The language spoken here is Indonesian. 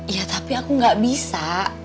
ya tapi aku gak bisa